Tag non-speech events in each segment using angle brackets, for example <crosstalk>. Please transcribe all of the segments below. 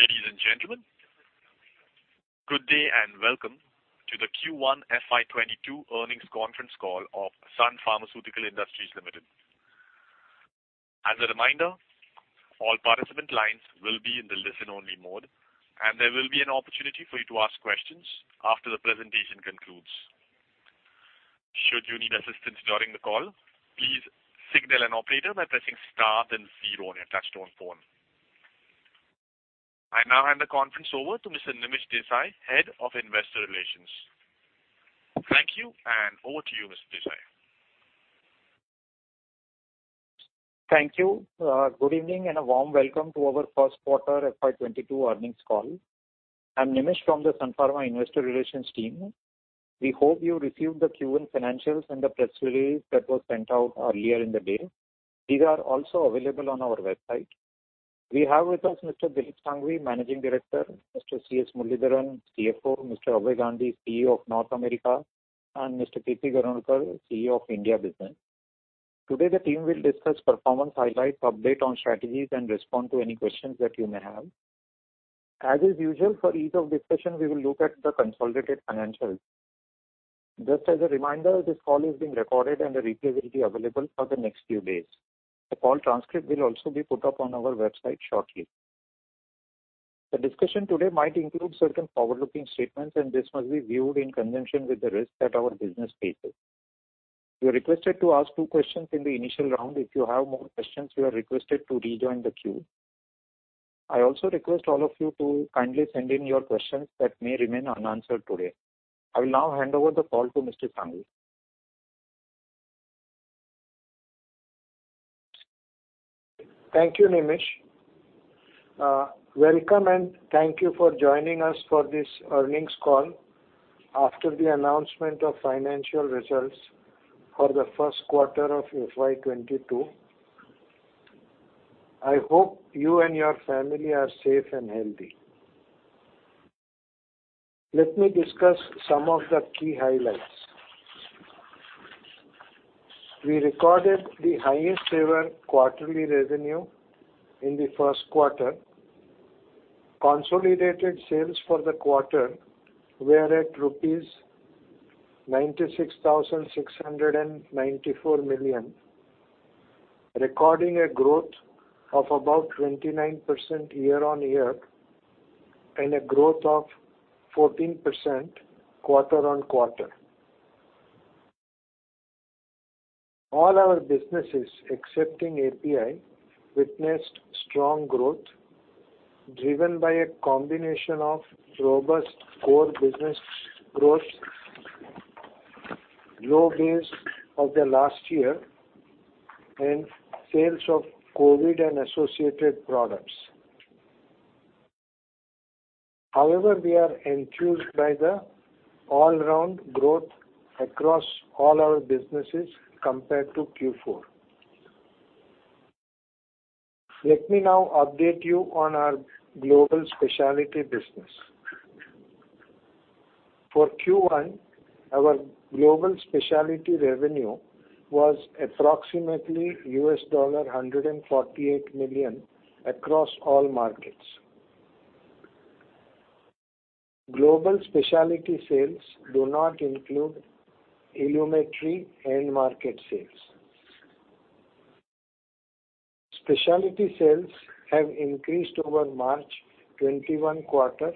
Ladies and gentlemen, good day and welcome to the Q1 FY 2022 earnings conference call of Sun Pharmaceutical Industries Limited. As a reminder, all participant lines will be in the listen-only mode, and there will be an opportunity for you to ask questions after the presentation concludes. Should you need assistance during the call, please signal an operator by pressing star then zero on your touch-tone phone. I now hand the conference over to Mr. Nimish Desai, Head of Investor Relations. Thank you, and over to you, Mr. Desai. Thank you. Good evening, and a warm welcome to our first quarter FY 2022 earnings call. I'm Nimish from the Sun Pharma Investor Relations team. We hope you received the Q1 financials and the press release that was sent out earlier in the day. These are also available on our website. We have with us Mr. Dilip Shanghvi, Managing Director, Mr. C. S. Muralidharan, CFO, Mr. Abhay Gandhi, CEO of North America Business, and Mr. Kirti Ganorkar, CEO of India Business. Today, the team will discuss performance highlights, update on strategies, and respond to any questions that you may have. As is usual for ease of discussion, we will look at the consolidated financials. Just as a reminder, this call is being recorded and a replay will be available for the next few days. The call transcript will also be put up on our website shortly. The discussion today might include certain forward-looking statements, and this must be viewed in conjunction with the risks that our business faces. You are requested to ask two questions in the initial round. If you have more questions, you are requested to rejoin the queue. I also request all of you to kindly send in your questions that may remain unanswered today. I will now hand over the call to Mr. Shanghvi. Thank you, Nimish. Welcome, and thank you for joining us for this earnings call after the announcement of financial results for the first quarter of FY 2022. I hope you and your family are safe and healthy. Let me discuss some of the key highlights. We recorded the highest-ever quarterly revenue in the first quarter. Consolidated sales for the quarter were at rupees 96,694 million, recording a growth of about 29% year-on-year and a growth of 14% quarter-on-quarter. All our businesses, excepting API, witnessed strong growth driven by a combination of robust core business growth, low base of the last year, and sales of COVID and associated products. We are enthused by the all-round growth across all our businesses compared to Q4. Let me now update you on our global specialty business. For Q1, our global specialty revenue was approximately $148 million across all markets. Global specialty sales do not include ILUMETRI end-market sales. Specialty sales have increased over the March 2021 quarter,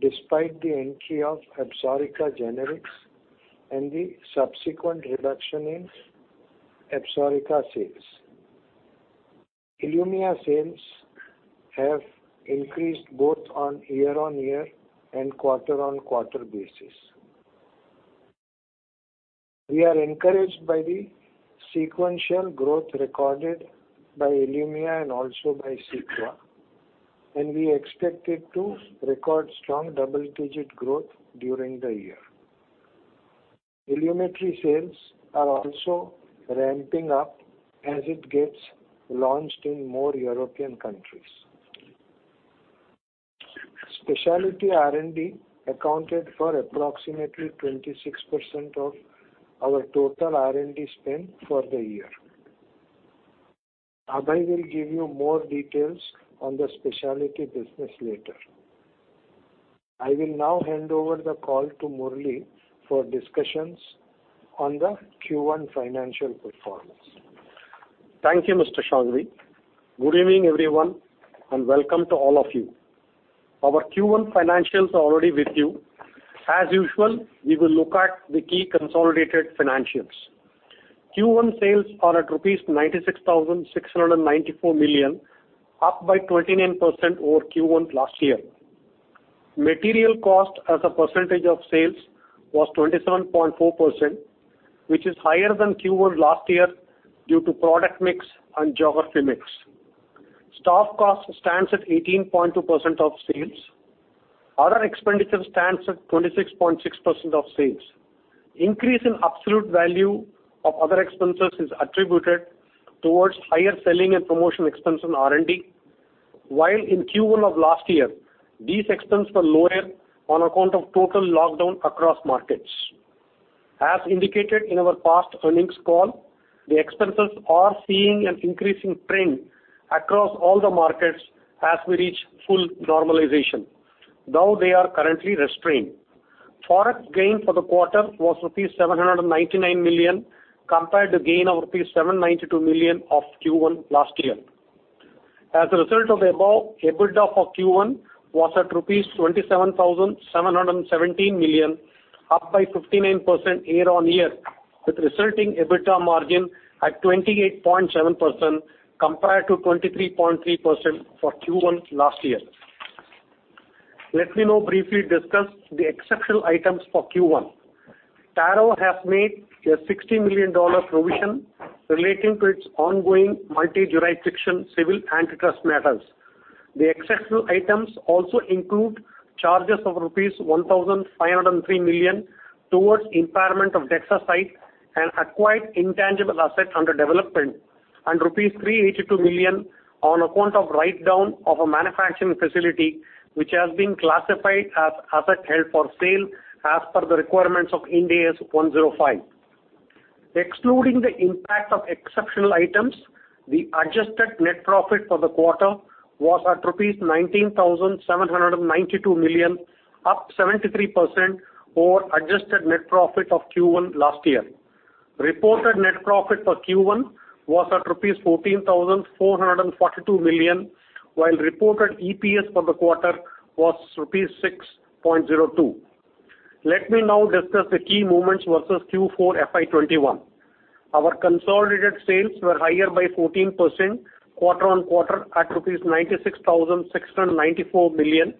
despite the entry of ABSORICA generics and the subsequent reduction in ABSORICA sales. ILUMYA sales have increased both on a year-on-year and a quarter-on-quarter basis. We are encouraged by the sequential growth recorded by ILUMYA and also by CEQUA, and we expect it to record strong double-digit growth during the year. ILUMYA sales are also ramping up as it gets launched in more European countries. Specialty R&D accounted for approximately 26% of our total R&D spend for the year. Abhay will give you more details on the specialty business later. I will now hand over the call to Murali for discussions on the Q1 financial performance. Thank you, Mr. Shanghvi. Good evening, everyone, and welcome to all of you. Our Q1 financials are already with you. As usual, we will look at the key consolidated financials. Q1 sales are at rupees 96,694 million, up by 29% over Q1 last year. Material cost as a percentage of sales was 27.4%, which is higher than Q1 last year due to product mix and geography mix. Staff cost stands at 18.2% of sales. Other expenditure stands at 26.6% of sales. An increase in the absolute value of other expenses is attributed towards higher selling and promotional expenses and R&D, while in Q1 of last year, these expenses were lower on account of the total lockdown across markets. As indicated in our past earnings call, the expenses are seeing an increasing trend across all the markets as we reach full normalization. Though they are currently restrained. Forex gain for the quarter was rupees 799 million, compared to the gain of rupees 792 million in Q1 last year. As a result of the above, EBITDA for Q1 was at rupees 27,717 million, up by 59% year-on-year, with resulting EBITDA margin at 28.7% compared to 23.3% for Q1 last year. Let me now briefly discuss the exceptional items for Q1. Taro has made a $60 million provision relating to its ongoing multi-jurisdiction civil antitrust matters. The exceptional items also include charges of rupees 1,503 million towards impairment of DexaSite and acquired intangible asset under development, and rupees 382 million on account of write-down of a manufacturing facility, which has been classified as assets held for sale as per the requirements of Ind AS 105. Excluding the impact of exceptional items, the adjusted net profit for the quarter was rupees 19,792 million, up 73% over the adjusted net profit of Q1 last year. Reported net profit for Q1 was rupees 14,442 million, while reported EPS for the quarter was rupees 6.02. Let me now discuss the key movements versus Q4 FY 2021. Our consolidated sales were higher by 14% quarter-on-quarter, at rupees 96,694 million.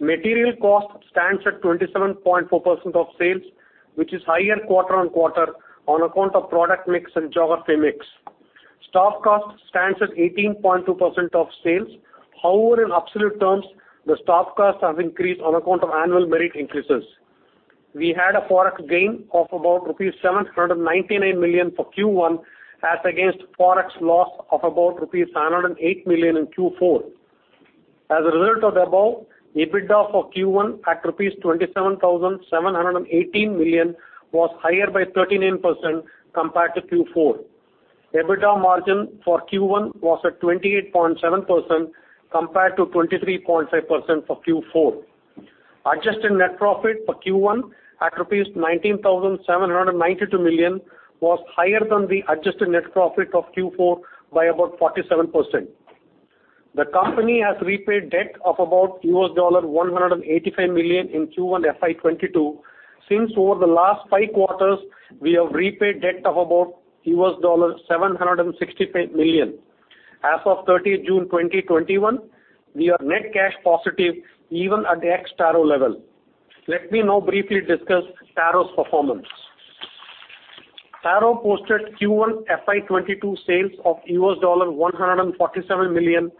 Material cost stands at 27.4% of sales, which is higher quarter-on-quarter on account of product mix and geography mix. Staff cost stands at 18.2% of sales. In absolute terms, the staff cost has increased on account of annual merit increases. We had a Forex gain of about rupees 799 million for Q1, as against a Forex loss of about rupees 508 million in Q4. As a result of the above, EBITDA for Q1 at rupees 27,718 million was higher by 39% compared to Q4. EBITDA margin for Q1 was at 28.7% compared to 23.5% for Q4. Adjusted net profit for Q1 at rupees 19,792 million was higher than the adjusted net profit of Q4 by about 47%. The company has repaid debt of about US$185 million in Q1 FY 2022. Over the last 5 quarters, we have repaid debt of about US$765 million. As of 30th June 2021, we are net cash positive even at the ex-Taro level. Let me now briefly discuss Taro's performance. Taro posted Q1 FY 2022 sales of US$147 million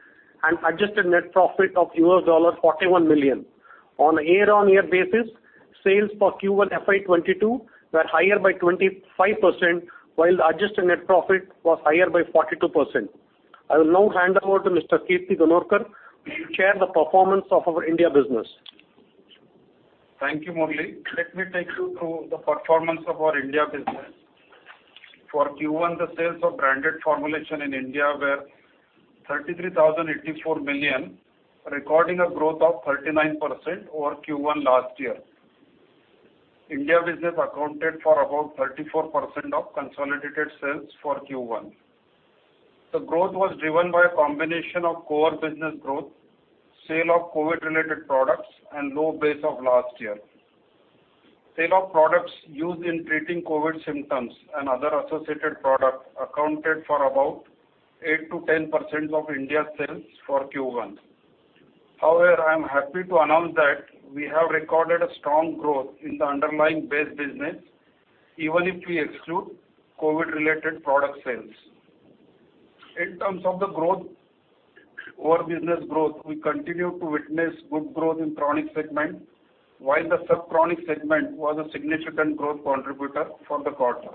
and adjusted net profit of US$41 million. On a year-on-year basis, sales for Q1 FY 2022 were higher by 25%, while the adjusted net profit was higher by 42%. I will now hand over to Mr. Kirti Ganorkar, who will share the performance of our India business. Thank you, Murali. Let me take you through the performance of our India business. For Q1, the sales of branded formulation in India were 33,084 million, recording a growth of 39% over Q1 last year. India business accounted for about 34% of consolidated sales for Q1. The growth was driven by a combination of core business growth, sales of COVID-related products, and a low base of last year. Sales of products used in treating COVID symptoms and other associated products accounted for about 8%-10% of India's sales for Q1. I am happy to announce that we have recorded a strong growth in the underlying base business, even if we exclude COVID-related product sales. In terms of the growth, our business growth, we continue to witness good growth in the chronic segment, while the sub-chronic segment was a significant growth contributor for the quarter.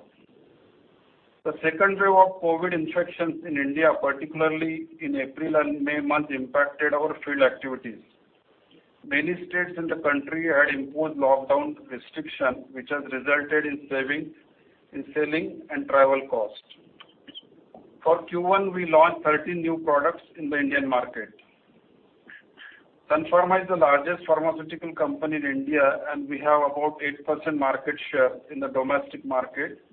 The second wave of COVID infections in India, particularly in April and May month, impacted our field activities. Many states in the country have imposed lockdown restrictions, which has resulted in savings in selling and travel costs. For Q1, we launched 13 new products in the Indian market. Sun Pharma is the largest pharmaceutical company in India. We have about 8% market share in the domestic market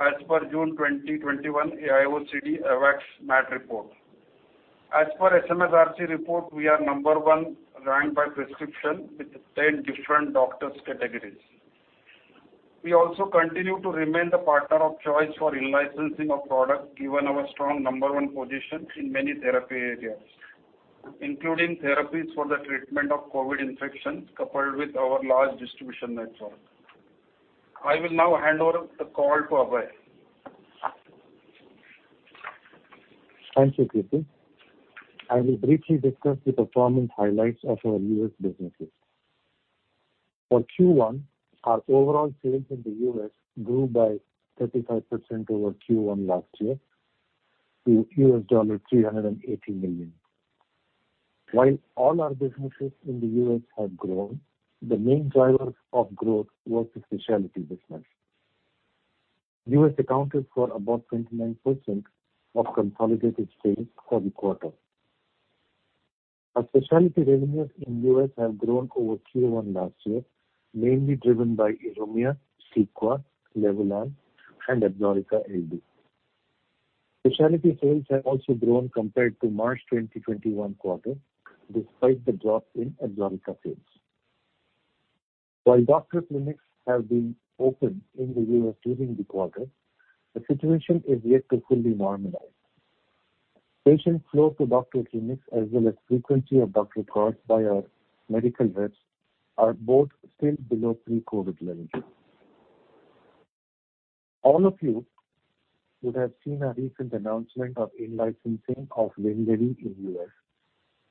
as per the June 2021 AIOCD AWACS MAT report. As per the SMSRC report, we are the number one ranked by prescription with 10 different doctors' categories. We also continue to remain the partner of choice for in-licensing of products, given our strong number one position in many therapy areas, including therapies for the treatment of COVID infections, coupled with our large distribution network. I will now hand over the call to Abhay. Thank you, Kirti. I will briefly discuss the performance highlights of our U.S. businesses. For Q1, our overall sales in the U.S. grew by 35% over Q1 last year to $380 million. While all our businesses in the U.S. have grown, the main driver of growth was the specialty business. The U.S. accounted for about 29% of consolidated sales for the quarter. Our specialty revenues in the U.S. have grown over Q1 last year, mainly driven by ILUMYA, CEQUA, LEVULAN, and ABSORICA LD. Specialty sales have also grown compared to the March 2021 quarter, despite the drop in ABSORICA sales. While doctor clinics have been open in the U.S. during the quarter, the situation is yet to fully normalize. Patient flow to doctor clinics, as well as frequency of doctor calls by our medical reps, are both still below pre-COVID levels. All of you would have seen our recent announcement of the in-licensing of WINLEVI in U.S.,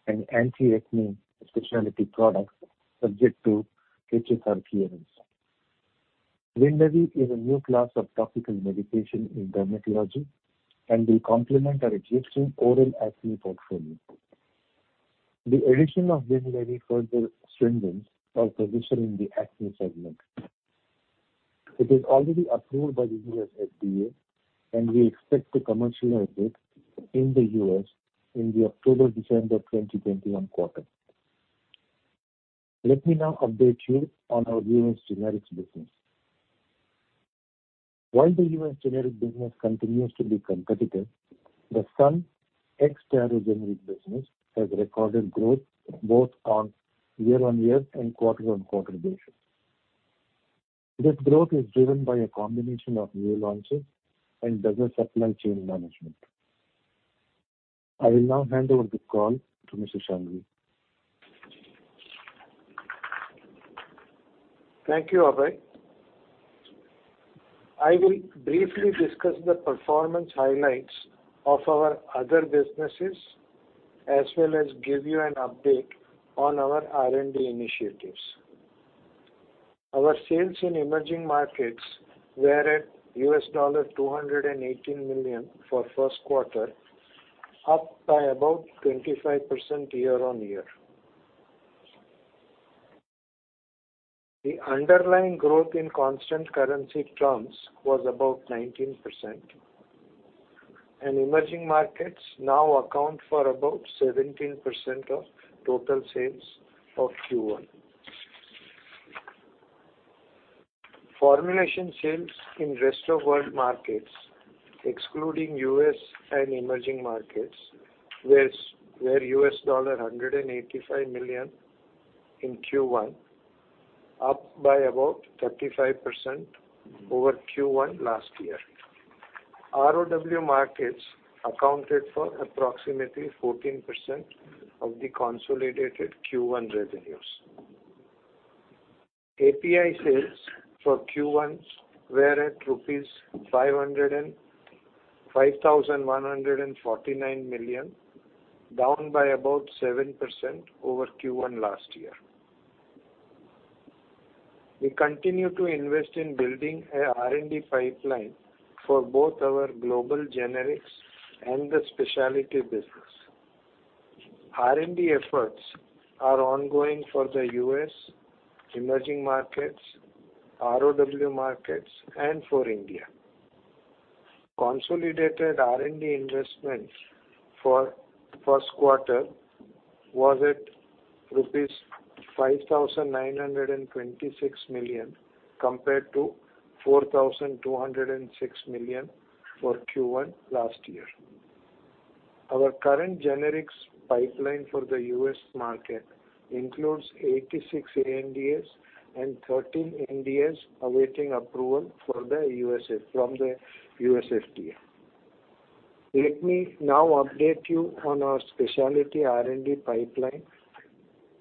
an anti-acne specialty product subject to HSR clearance. WINLEVI is a new class of topical medication in dermatology and will complement our existing oral acne portfolio. The addition of WINLEVI further strengthens our position in the acne segment. It is already approved by the U.S. FDA, and we expect to commercialize it in the U.S. in the October-December 2021 quarter. Let me now update you on our U.S. generics business. While the U.S. generic business continues to be competitive, the Sun ex-Taro generics business has recorded growth both on a year-on-year and quarter-on-quarter basis. This growth is driven by a combination of new launches and better supply chain management. I will now hand over the call to Mr. Shanghvi. Thank you, Abhay. I will briefly discuss the performance highlights of our other businesses, as well as give you an update on our R&D initiatives. Our sales in emerging markets were at $218 million for first quarter, up by about 25% year-on-year. The underlying growth in constant currency terms was about 19%. Emerging markets now account for about 17% of the total sales of Q1. Formulation sales in Rest of World markets, excluding the U.S. and emerging markets, were $185 million in Q1, up by about 35% over Q1 last year. ROW markets accounted for approximately 14% of the consolidated Q1 revenues. API sales for Q1 were at rupees 5,149 million, down by about 7% over Q1 last year. We continue to invest in building an R&D pipeline for both our global generics and specialty businesses. R&D efforts are ongoing for the U.S., emerging markets, RoW markets, and India. Consolidated R&D investments for first quarter were at rupees 5,926 million compared to 4,206 million for Q1 last year. Our current generics pipeline for the U.S. market includes 86 ANDAs and 13 NDAs awaiting approval from the U.S. FDA. Let me now update you on our specialty R&D pipeline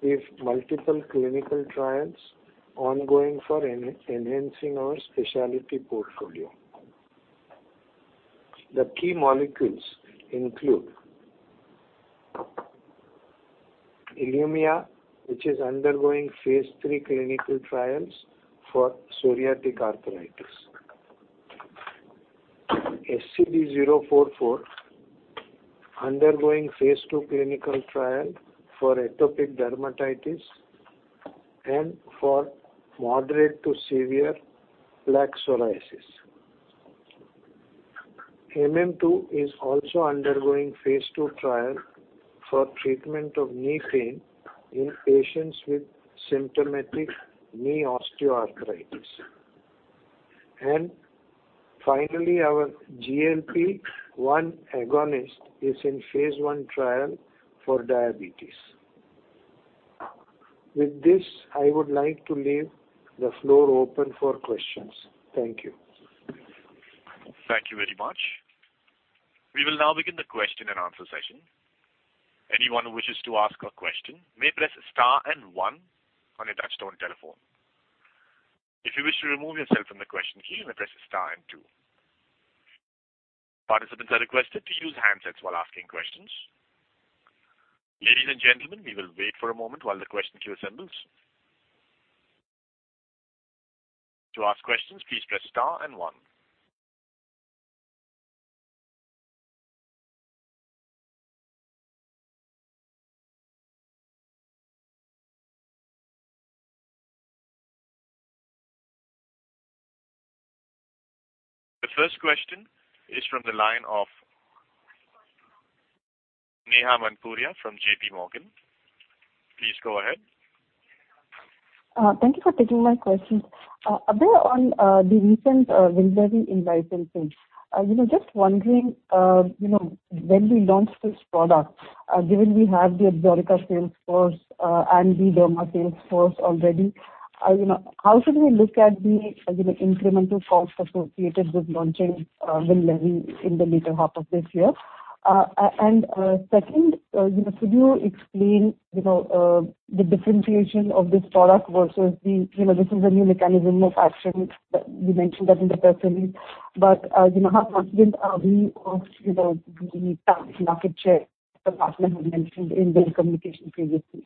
with multiple clinical trials ongoing for enhancing our specialty portfolio. The key molecules include ILUMYA, which is undergoing phase III clinical trials for psoriatic arthritis. SCD-044 is undergoing phase II clinical trial for atopic dermatitis and for moderate to severe plaque psoriasis. MM-II is also undergoing phase II trial for the treatment of knee pain in patients with symptomatic knee osteoarthritis. Finally, our GLP-1 agonist is in phase I trial for diabetes. With this, I would like to leave the floor open for questions. Thank you. Thank you very much. We will now begin the question-and-answer session. Anyone who wishes to ask a question may press star and one on your touch-tone telephone. If you wish to remove yourself from the question queue, press star and two. Participants are requested to use a handset while asking questions. Ladies and gentlemen, we will wait for a moment while the question queue assembles. To ask a question, press star and one. The first question is from the line of Neha Manpuria from JPMorgan. Please go ahead. Thank you for taking my questions. Abhay, on the recent WINLEVI in-licensing. Just wondering, when we launch this product, given we have the ABSORICA sales force and the derma sales force already, how should we look at the incremental cost associated with launching WINLEVI in the latter half of this year? Second, could you explain the differentiation of this product? This is a new mechanism of action. You mentioned that in the press release, but how confident are we of the market share the partner had mentioned in their communication previously?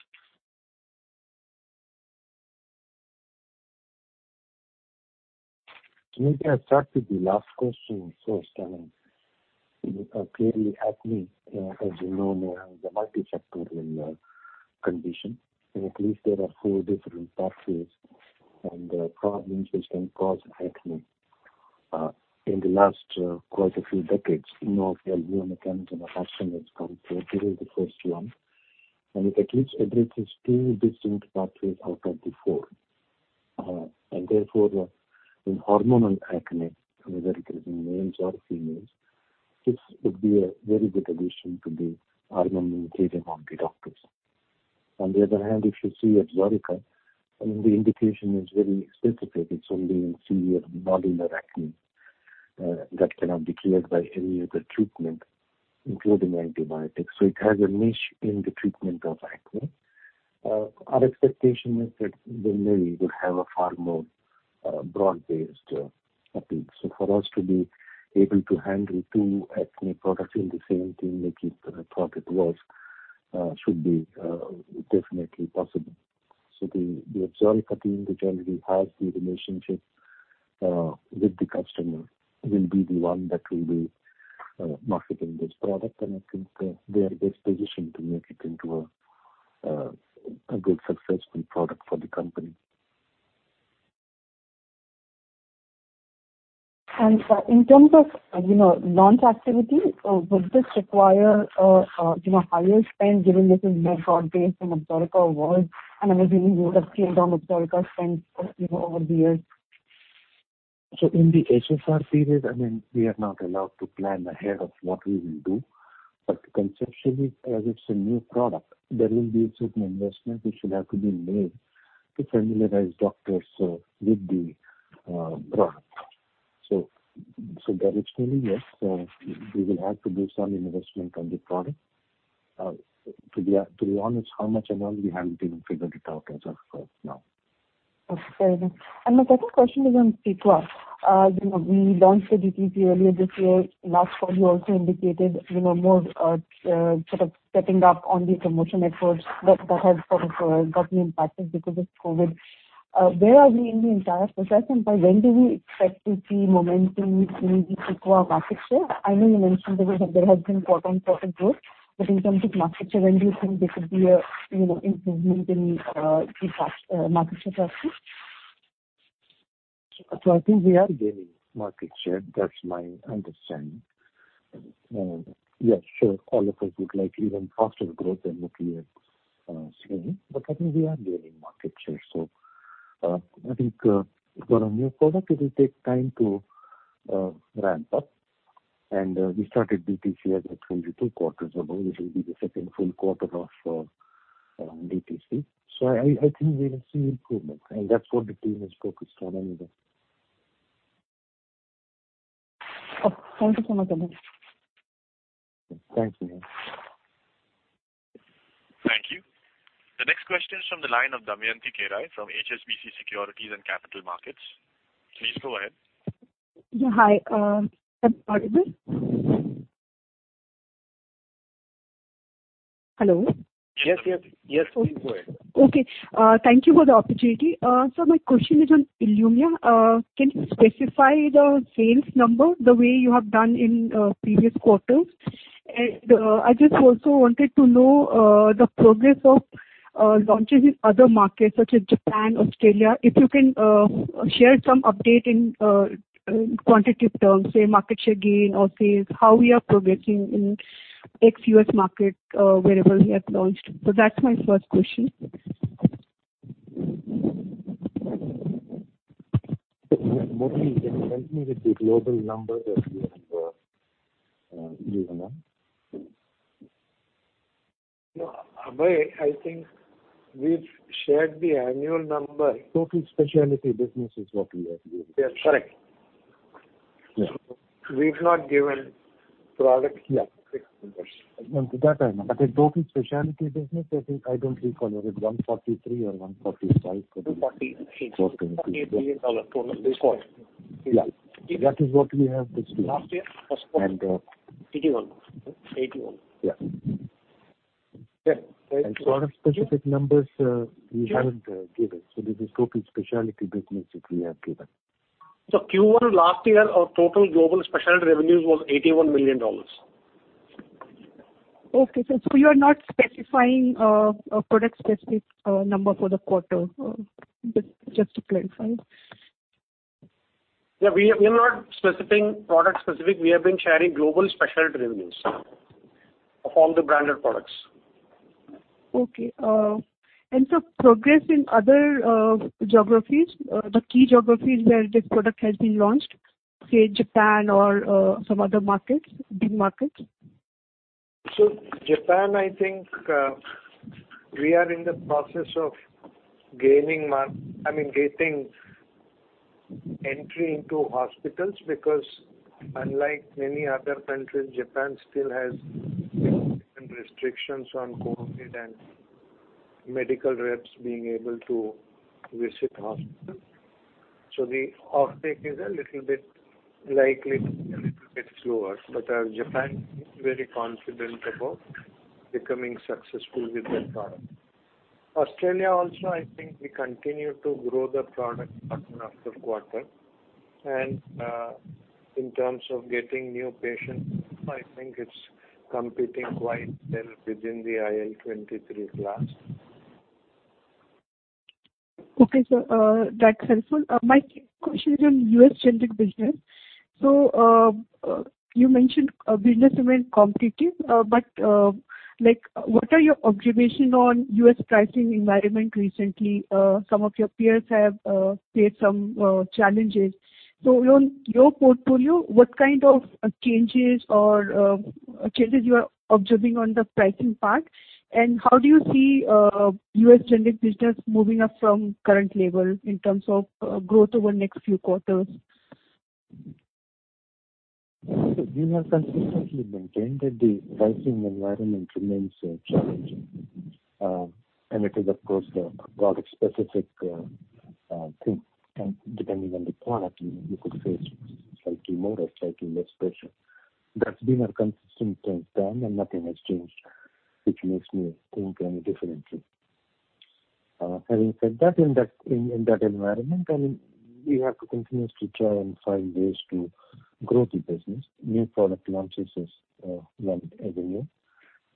Neha, I'll start with the last question first. Clearly, acne, as you know, is a multifactorial condition. At least there are four different pathways and problems that can cause acne. In the last quite a few decades, no new mechanism of action has come through. This is the first one. It at least addresses two distinct pathways out of the four. Therefore, in hormonal acne, whether it is in males or females, this would be a very good addition to the armamentarium of the doctors. On the other hand, if you see ABSORICA, the indication is very specific. It's only in severe nodular acne that cannot be cleared by any other treatment, including antibiotics. It has a niche in the treatment of acne. Our expectation is that WINLEVI will have a far broader-based appeal. For us to be able to handle two acne products in the same team, which is the target, should definitely be possible. The ABSORICA team, which already has a relationship with the customer, will be the one that will be marketing this product, and I think they are best positioned to make it into a good, successful product for the company. Sir, in terms of launch activity, would this require higher spend, given this is more broad-based than ABSORICA was, and I am assuming you would have scaled down ABSORICA spend over the years? In the HSR period, we are not allowed to plan ahead of what we will do. Conceptually, as it's a new product, there will be a certain investment that will have to be made to familiarize doctors with the product. Directionally, yes, we will have to do some investment in the product. To be honest, how much amount, we haven't even figured it out as of now. Okay. Very well. My second question is on CEQUA. We launched the DTC earlier this year. Last quarter, you also indicated more setting up on the promotion efforts that have been impacted because of COVID. Where are we in the entire process? By when do we expect to see momentum in the CEQUA market share? I know you mentioned there has been quarter-on-quarter growth. In terms of market share, when do you think there could be an improvement in market share for us? I think we are gaining market share. That's my understanding. Yes, sure, all of us would like even faster growth than what we are seeing, but I think we are gaining market share. I think for a new product, it will take time to ramp up, and we started DTC, as I told you, two quarters ago. This will be the second full quarter of DTC. I think we will see improvement, and that's what the team is focused on anyway. Okay. Thank you so much, Abhay. Thank you, Neha. Thank you. The next question is from the line of Damayanti Kerai from HSBC Securities and Capital Markets. Please go ahead. Yeah. Hi. Am I audible? Hello? Yes, please go ahead. Okay. Thank you for the opportunity. Sir, my question is on ILUMYA. Can you specify the sales numbers the way you have done in previous quarters? I just also wanted to know the progress of launches in other markets, such as Japan and Australia. If you can share some updates in quantitative terms, say, market share gain or sales, how we are progressing in the ex-U.S. market, wherever we have launched. That's my first question. Murali, can you help me with the global number that we have for ILUMYA? Abhay, I think we've shared the annual number. The total specialty business is what we have given. Yes, correct. Yeah. We've not given product-specific numbers. Yeah. No, to that I remember. Total specialty business, I think, I don't recall, was it $143 million or $145 million? $148 million total this quarter. Yeah. That is what we have disclosed. Last year was $81 million. Yeah. Yes. That was- There are a lot of specific numbers that we haven't given. This is a total specialty business that we have given. Q1 last year, our total global specialty revenues were $81 million. Okay, sir. Are you not specifying a product-specific number for the quarter? Just to clarify. Yeah. We are not specifying a product-specific. We have been sharing global specialty revenues of all the branded products. Okay. Sir, progress in other geographies, the key geographies where this product has been launched, say Japan or some other big markets? Japan, I think, we are in the process of getting entry into hospitals because, unlike many other countries, Japan still has certain restrictions on COVID and medical reps being able to visit hospitals. The uptake is likely to be a little bit slower. Japan team is very confident about becoming successful with that product. Australia, also, I think we continue to grow the product quarter after quarter. In terms of getting new patients, I think it's competing quite well within the IL-23 class. Okay, Sir. That's helpful. My key question is on the U.S. generic business. You mentioned business remains competitive, but what are your observations on the U.S. pricing environment recently? Some of your peers have faced some challenges. On your portfolio, what kind of changes are you observing on the pricing part, and how do you see the U.S. generic business moving up from the current level in terms of growth over the next few quarters? We have consistently maintained that the pricing environment remains challenging. It is, of course, a product-specific thing. Depending on the product, you could face slightly more or slightly less pressure. That's been our consistent stance then, and nothing has changed, which makes me think any differently. Having said that, in that environment, we have to continuously try to find ways to grow the business. New product launches is one avenue,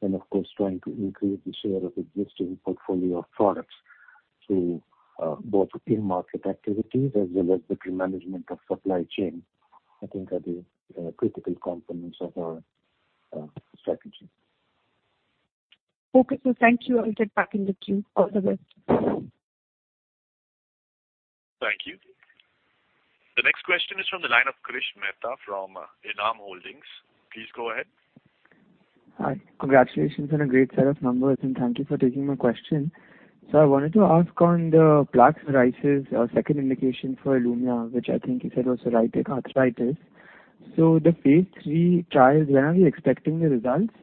and of course, trying to increase the share of the existing portfolio of products through both in-market activities as well as the management of the supply chain, I think, are the critical components of our strategy. Okay, Sir. Thank you. I'll get back in the queue. All the best. Thank you. The next question is from the line of Krish Mehta from ENAM Holdings. Please go ahead. Hi. Congratulations on a great set of numbers, and thank you for taking my question. I wanted to ask on the plaque psoriasis second indication for ILUMYA, which I think you said was psoriatic arthritis. The phase III trials, when are we expecting the results?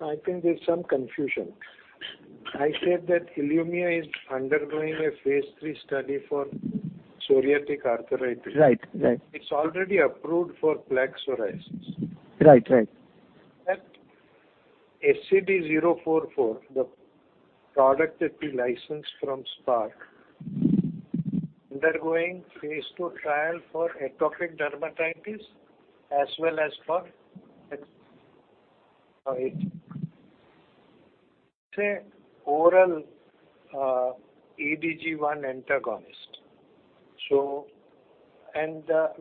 I think there's some confusion. I said that ILUMYA is undergoing a phase III study for psoriatic arthritis. Right. It's already approved for plaque psoriasis. Right. SCD-044, the product that we licensed from SPARC, is undergoing phase II trial for atopic dermatitis as well as for plaque psoriasis. It's an oral S1P1 agonist.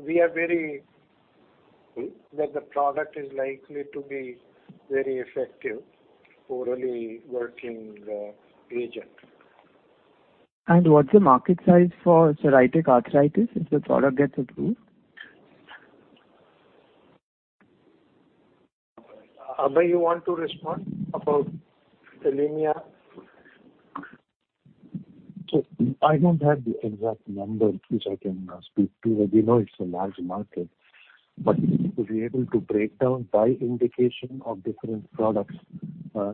We are very confident that the product is likely to be a very effective orally working agent. What's the market size for psoriatic arthritis if the product gets approved? Abhay, you want to respond about ILUMYA? I don't have the exact number that I can speak to. We know it's a large market, but to be able to break it down by indication of different products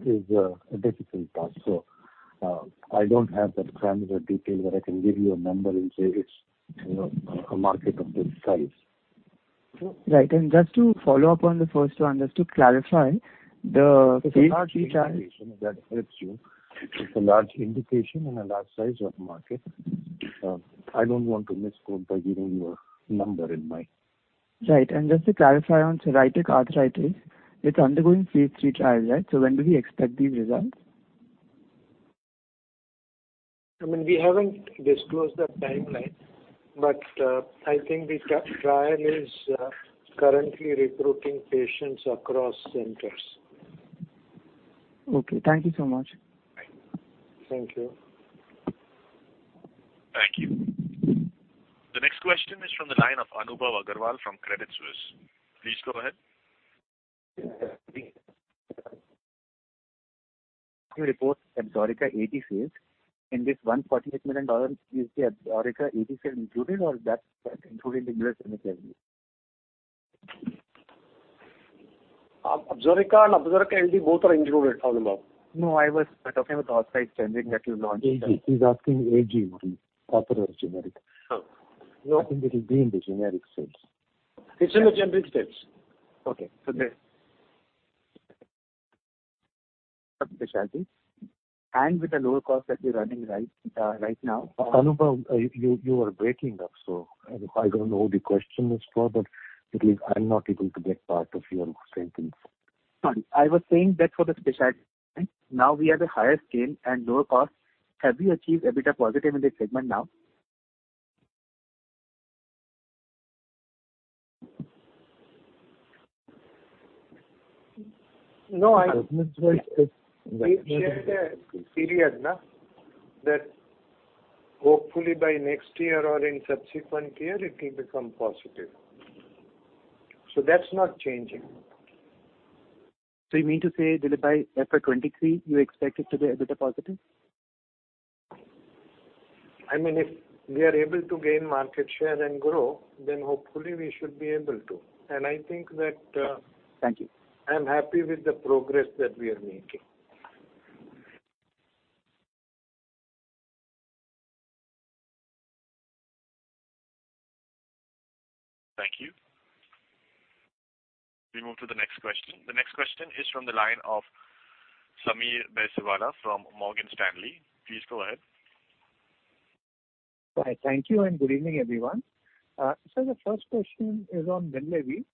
is a difficult task. I don't have that granular detail that I can give you a number and say it's a market of this size. Right. Just to follow up on the first one, just to clarify the- It's a large indication, if that helps you. It's a large indication and a large size of market. I don't want to misquote by giving you a number in mind. Right. Just to clarify on psoriatic arthritis, it's undergoing phase III trials, right? When do we expect the results? We haven't disclosed the timeline, but I think the trial is currently recruiting patients across centers. Okay. Thank you so much. Thank you. Thank you. The next question is from the line of Anubhav Aggarwal from Credit Suisse. Please go ahead. Sir, about your report on ABSORICA generics sales. In this $148 million, is the ABSORICA AG sales included, or is that included in U.S. generic revenue? ABSORICA and ABSORICA LD are both included, Anubhav. No, I was talking about the authorized generic that you launched. He's asking AG, authorized generic. I think it will be in the generic space. It's in the generic space. Okay. So there- For the specialty and with the lower cost that we're running right now- Anubhav, your voice is breaking up. I don't know who the question is for, but at least I'm not able to get part of your sentence. Sorry. I was saying that for the specialty, now we have a higher scale and lower cost. Have we achieved EBITDA positive in this segment now? No, we said that period, now that hopefully by next year or in the subsequent year it will become positive. That's not changing. You mean to say, Dilip bhai, FY 2023, you expect it to be EBITDA positive? If we are able to gain market share and grow, then hopefully we should be able to, and I think that- Thank you. I'm happy with the progress that we are making. Thank you. We move to the next question. The next question is from the line of Sameer Baisiwala from Morgan Stanley. Please go ahead. Hi. Thank you and good evening, everyone. Sir, the first question is on WINLEVI.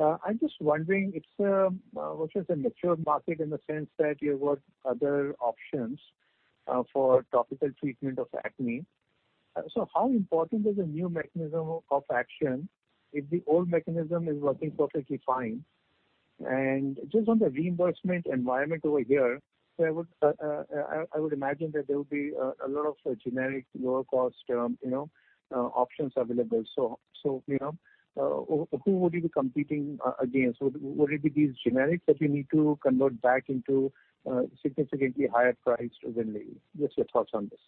I'm just wondering, which is a mature market in the sense that you have got other options for topical treatment of acne. How important is a new mechanism of action if the old mechanism is working perfectly fine? Just on the reimbursement environment over here, I would imagine that there will be a lot of generic, lower-cost options available. Who would you be competing against? Would it be these generics that you need to convert back into significantly higher-priced WINLEVI? What are your thoughts on this?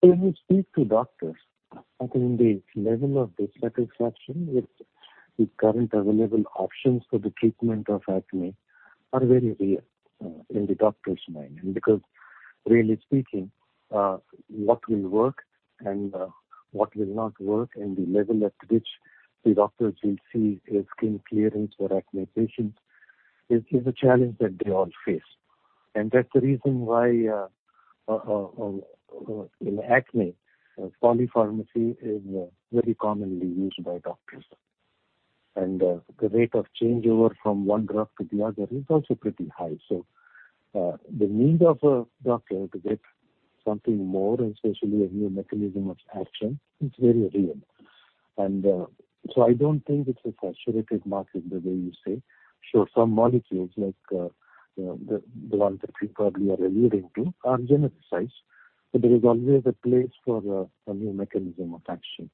When you speak to doctors, I think the level of dissatisfaction with the current available options for the treatment of acne is very real in the doctor's mind. Because really speaking, what will work and what will not work, and the level at which the doctors will see a skin clearance for acne patients is a challenge that they all face. That's the reason why, in acne, polypharmacy is very commonly used by doctors. The rate of changeover from one drug to the other is also pretty high. The need for a doctor to get something more, and especially a new mechanism of action, is very real. I don't think it's a saturated market, the way you say. Sure, some molecules like the one that you probably are alluding to are genericized, but there is always a place for a new mechanism of action.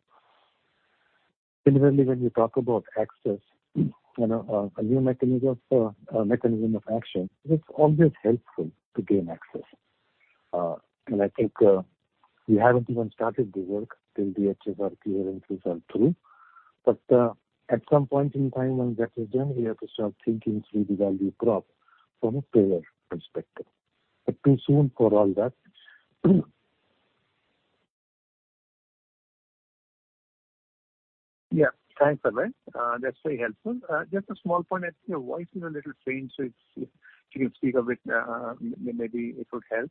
Generally, when you talk about access, a new mechanism of action is always helpful to gain access. I think we haven't even started the work till the HSR clearances are through. At some point in time, when that is done, we have to start thinking through the value prop from a payer perspective. Too soon for all that. Yeah. Thanks, Abhay. That's very helpful. Just a small point, your voice is a little faint, so if you can speak a bit, maybe it would help.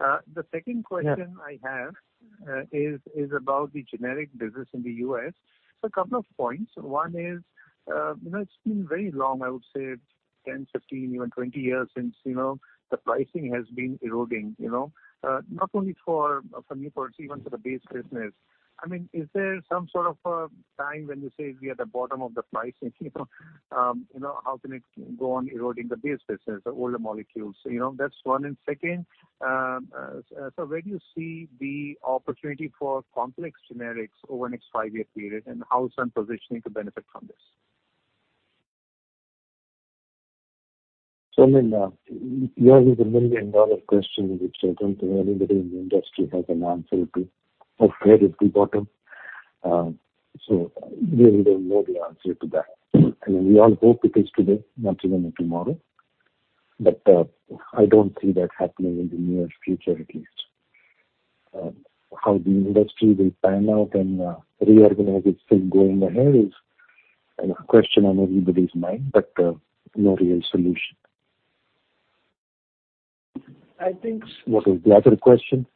Yeah. The second question I have is about the generic business in the U.S. A couple of points. One is, it's been very long, I would say 10, 15, even 20 years, since the pricing has been eroding. Not only for new products, even for the base business. Is there some sort of time when you say we are at the bottom of the pricing, how can it go on eroding the base business or older molecules? That's one. Second, sir, where do you see the opportunity for complex generics over the next five-year period, and how is Sun positioning to benefit from this? Sameer, yours is a million-dollar question, which I don't think anybody in the industry has an answer to, of where is the bottom. We really don't know the answer to that. We all hope it is today, not even tomorrow. I don't see that happening in the near future, at least. How the industry will pan out and reorganize itself going ahead is a question on everybody's mind, but no real solution. I think- What was the other question,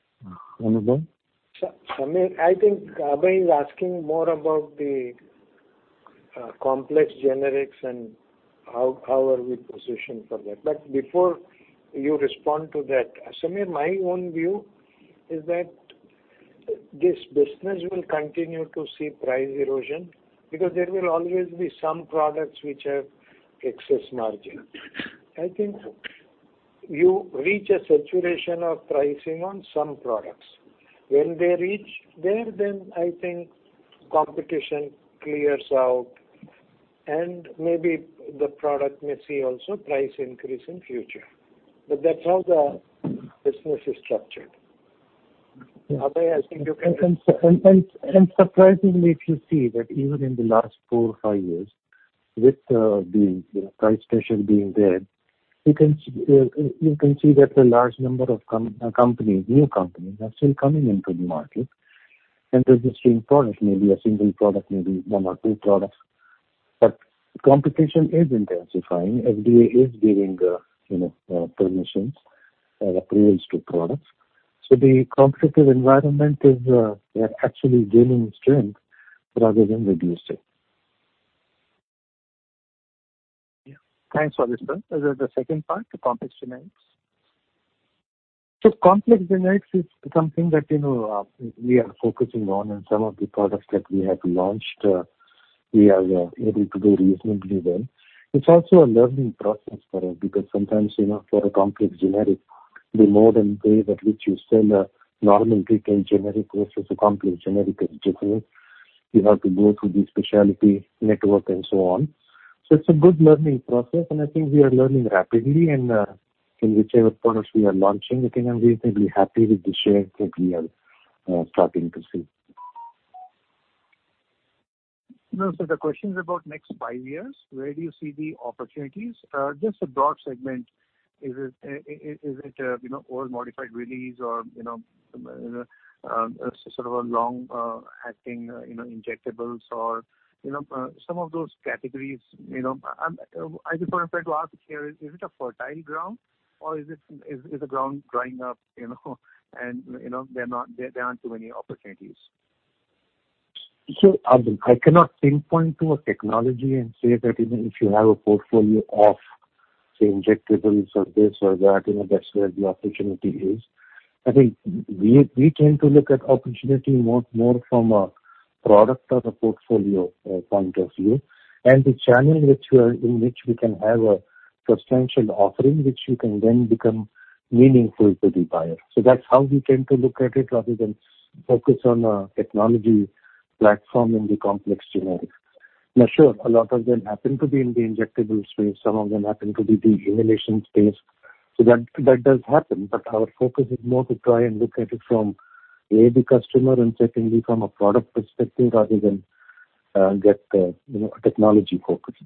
Sameer? Sameer, I think Abhay is asking more about the complex generics and how we are positioned for that. Before you respond to that, Sameer, my own view is that this business will continue to see price erosion because there will always be some products that have excess margin. I think you reach a saturation of pricing on some products. When they reach there, then I think competition clears out, and maybe the product may also see a price increase in the future. That's how the business is structured. Abhay, I think you can- Surprisingly, if you see that even in the last four or five years, with the price pressure being there. You can see that a large number of new companies are still coming into the market and registering products, maybe a single product, maybe one or two products. Competition is intensifying. The FDA is giving permissions and approvals to products. The competitive environment is actually gaining strength rather than reducing. Yeah. Thanks for this one. The second part, the complex generics? Complex generics are something that we are focusing on, and some of the products that we have launched, we are able to do reasonably well. It's also a learning process for us because sometimes, for a complex generic, the mode and way in which you sell a normal retail generic versus a complex generic is different. You have to go through the specialty network and so on. It's a good learning process, and I think we are learning rapidly, and in whichever products we are launching, I think I'm reasonably happy with the share that we are starting to see. The question is about the next five years, where do you see the opportunities? Just a broad segment. Is it all modified release or sort of a long-acting injectable or some of those categories? I just wanted to ask here, is it a fertile ground, or is the ground drying up, and there aren't too many opportunities? I cannot pinpoint a technology and say that, if you have a portfolio of, say, injectables or this or that, that's where the opportunity is. I think we tend to look at opportunity more from a product or a portfolio point of view, and the channel in which we can have a substantial offering, which you can then become meaningful to the buyer. That's how we tend to look at it, rather than focus on a technology platform in the complex generics. Now, sure, a lot of them happen to be in the injectables space. Some of them happen to be the inhalation space. That does happen. Our focus is more to try and look at it from A, the customer, and secondly, from a product perspective, rather than get technology-focused.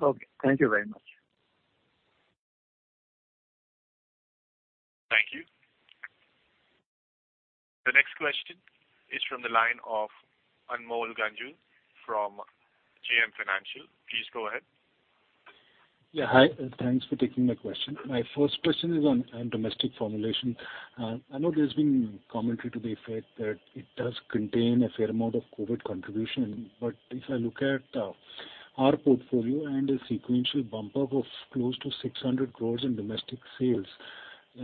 Okay. Thank you very much. Thank you. The next question is from the line of Anmol Ganjoo from JM Financial. Please go ahead. Yeah. Hi. Thanks for taking my question. My first question is on domestic formulation. I know there's been commentary to the effect that it does contain a fair amount of COVID contribution. If I look at our portfolio and a sequential bump up of close to 600 crore in domestic sales,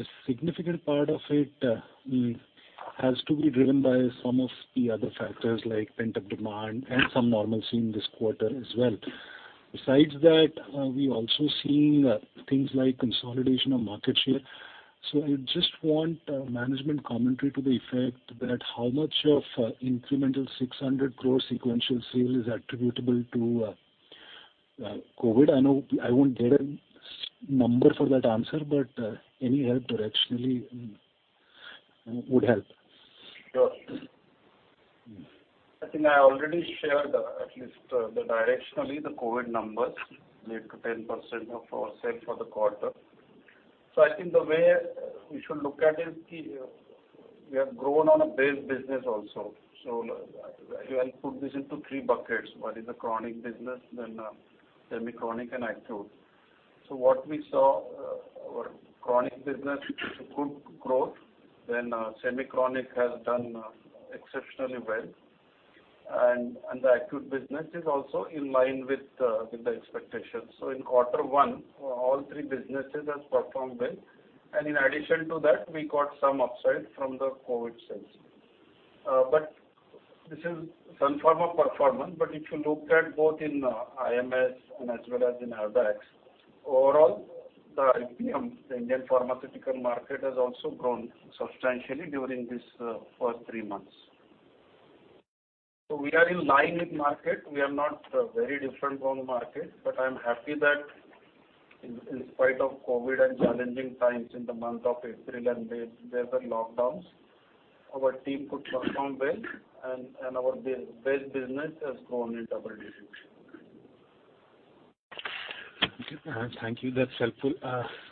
a significant part of it has to be driven by some of the other factors, like pent-up demand and some normalcy in this quarter as well. Besides that, we're also seeing things like consolidation of market share. I just want management commentary to the effect that how much of the incremental 600 crore sequential sale is attributable to COVID. I know I won't get a number for that answer, but any directional help would help. Sure. I think I already shared, at least directionally, the COVID numbers, 8%-10% of our sales for the quarter. I think the way we should look at it is that we have grown on a base business also. I'll put this into three buckets. One is the chronic business, then semi-chronic, and acute. What we saw, our chronic business is a good growth, then semi-chronic has done exceptionally well, and the acute business is also in line with the expectations. In quarter one, all three businesses have performed well. In addition to that, we got some upside from the COVID sales. This is some form of performance. If you looked at both in IMS and as well as in AWACS, overall, the Indian pharmaceutical market has also grown substantially during these first three months. We are in line with the market. We are not very different from the market. I'm happy that in spite of COVID and challenging times in the month of April and May, when there were lockdowns, our team could perform well, and our base business has grown in double digits. Okay. Thank you. That's helpful.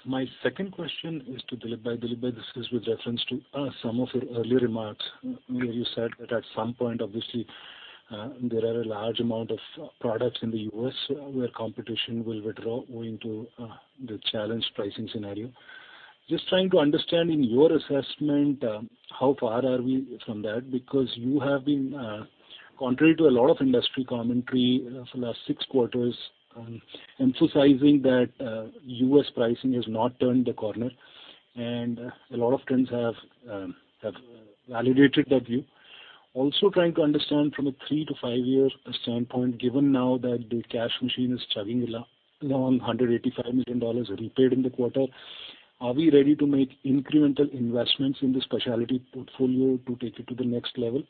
My second question is for Dilip. Dilip, this is with reference to some of your earlier remarks where you said that at some point, obviously, there is a large amount of products in the U.S. where competition will withdraw into the challenged pricing scenario. Just trying to understand in your assessment, how far are we from that? Because you have been, contrary to a lot of industry commentary for the last six quarters, emphasizing that U.S. pricing has not turned the corner, and a lot of trends have validated that view. Also trying to understand from a three to five-year standpoint, given now that the cash machine is chugging along, $185 million repaid in the quarter, are we ready to make incremental investments in the specialty portfolio to take it to the next level?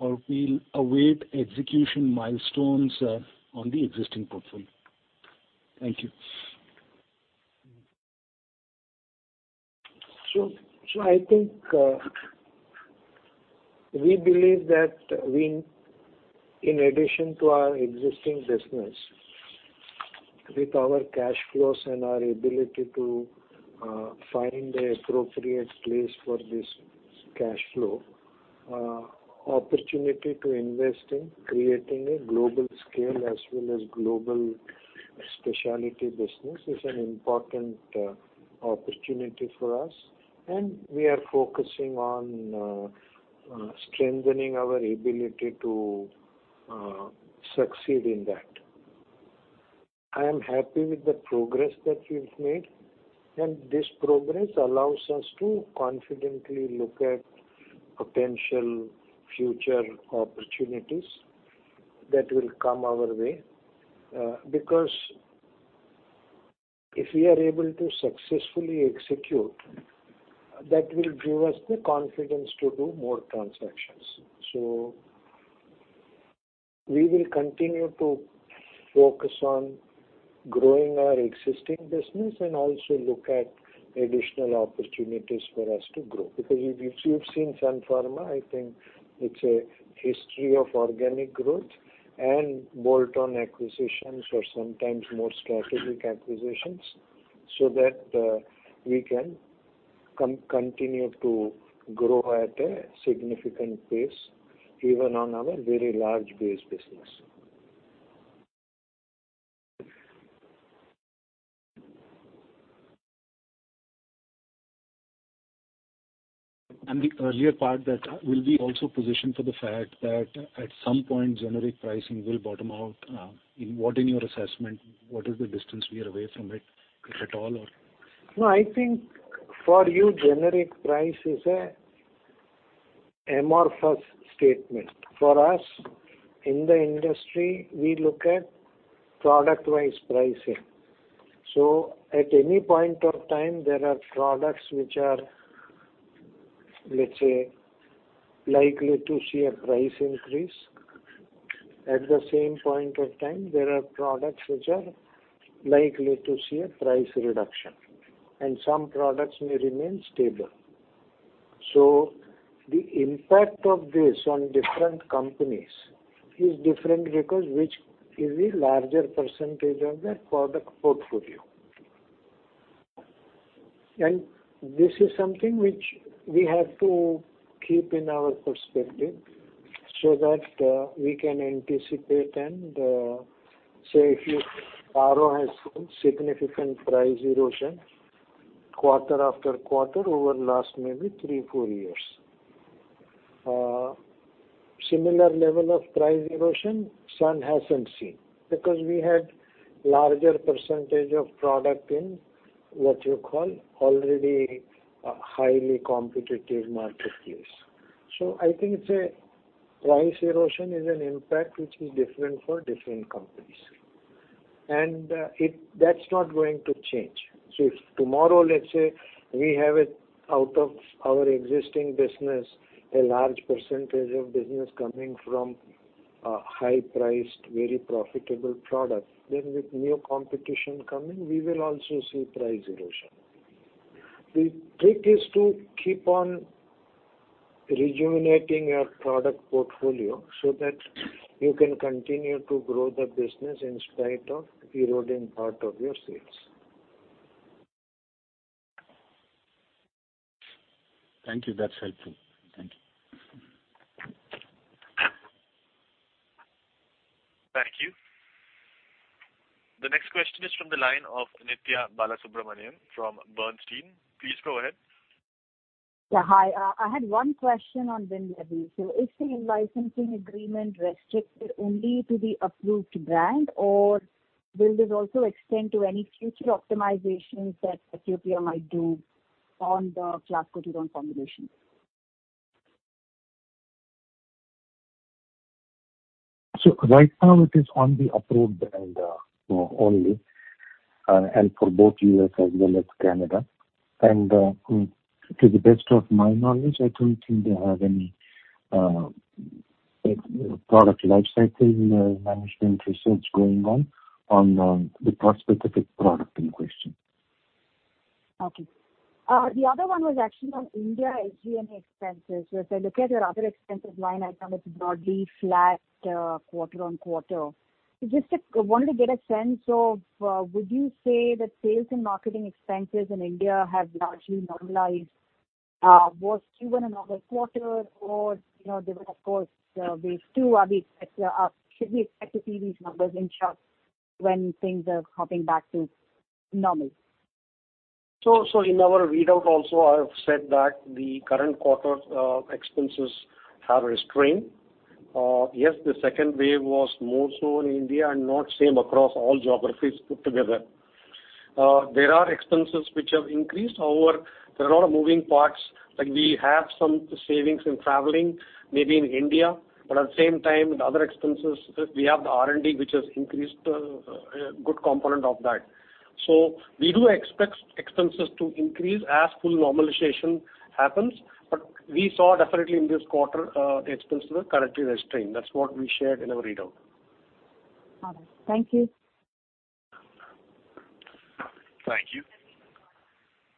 Or we'll await execution milestones on the existing portfolio? Thank you. I think we believe that, in addition to our existing business, with our cash flows and our ability to find the appropriate place for this cash flow, the opportunity to invest in creating a global scale as well as a global specialty business is an important opportunity for us, and we are focusing on strengthening our ability to succeed in that. I am happy with the progress that we've made, and this progress allows us to confidently look at potential future opportunities that will come our way. If we are able to successfully execute, that will give us the confidence to do more transactions. We will continue to focus on growing our existing business and also look at additional opportunities for us to grow. If you've seen Sun Pharma, I think it's a history of organic growth and bolt-on acquisitions or sometimes more strategic acquisitions so that we can continue to grow at a significant pace, even on our very large base business. The earlier part that will also be positioned for the fact that at some point, generic pricing will bottom out. What, in your assessment, is the distance we are away from it, if at all? No, I think for you, generic price is an amorphous statement. For us, in the industry, we look at product-wise pricing. At any point in time, there are products that are, let's say, likely to see a price increase. At the same point of time, there are products which are likely to see a price reduction, and some products may remain stable. The impact of this on different companies is different because it is a larger percentage of their product portfolio. This is something which we have to keep in our perspective so that we can anticipate and, say, Aurobindo has seen significant price erosion quarter after quarter over the last maybe three to four years. A similar level of price erosion Sun hasn't seen, because we had a larger percentage of product in what you call already a highly competitive marketplace. I think price erosion is an impact that is different for different companies. That's not going to change. If tomorrow, let's say, we have it out of our existing business, a large percentage of business coming from a high-priced, very profitable product, then with new competition coming, we will also see price erosion. The trick is to keep on rejuvenating your product portfolio so that you can continue to grow the business in spite of eroding part of your sales. Thank you. That's helpful. Thank you. Thank you. The next question is from the line of Nithya Balasubramanian from Bernstein. Please go ahead. Yeah, hi. I had one question on WINLEVI. Is the in-licensing agreement restricted only to the approved brand, or will this also extend to any future optimizations that Cassiopea might do on the clascoterone formulation? Right now, it is on the approved brand only, and for both the U.S. as well as Canada. To the best of my knowledge, I don't think they have any product life cycle management research going on for the specific product in question. Okay. The other one was actually on India SG&A expenses. As I look at your other expenses line item, it is broadly flat quarter-on-quarter. Just wanted to get a sense of, would you say that sales and marketing expenses in India have largely normalized? Was Q1 another quarter, or was there, of course, wave two? Should we expect to see these numbers in sharp when things are hopping back to normal? In our readout, I've also said that the current quarter expenses have been restrained. Yes, the second wave was more so in India and not the same across all geographies put together. There are expenses that have increased. However, there are a lot of moving parts. Like we have some savings in traveling, maybe in India, but at the same time, the other expenses, we have the R&D, which has increased a good component of that. We do expect expenses to increase as full normalization happens. We definitely saw in this quarter that the expenses were correctly restrained. That's what we shared in our readout. Got it. Thank you. Thank you.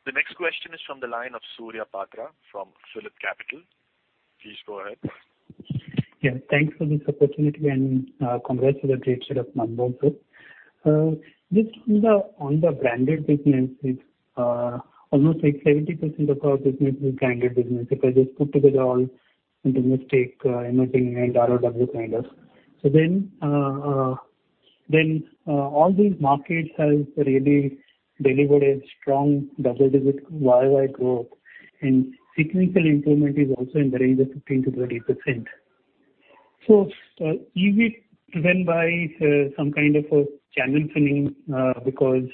The next question is from the line of Surya Patra from PhillipCapital. Please go ahead. Thanks for this opportunity, and congrats on the great set of numbers, sir. Just on the branded business, almost 70% of our business is branded business. If I just put them all together, into domestic, emerging markets, and RoW, kind of. All these markets have really delivered a strong double-digit year-on-year growth, and sequential improvement is also in the range of 15%-30%. Is it driven by some kind of channel filling, because